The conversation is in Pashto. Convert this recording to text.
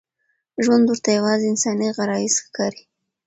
ژوند ورته یوازې انساني غرايز ښکاري.